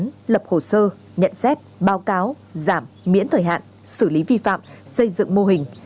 lập hồ sơ nhận xét báo cáo giảm miễn thời hạn xử lý vi phạm xây dựng mô hình